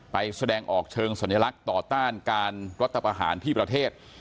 แสดงออกเชิงสัญลักษณ์ต่อต้านการรัฐประหารที่ประเทศ